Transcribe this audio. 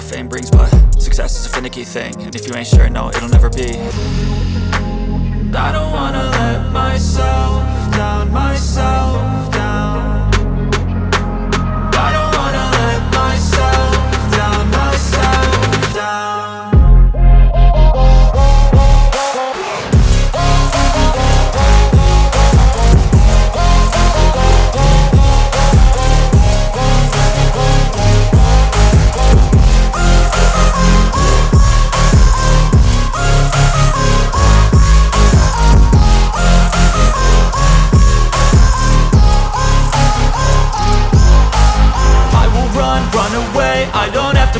sampai jumpa di video selanjutnya